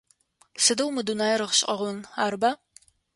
Сыдэу мы дунаир гъэшӏэгъон, арыба?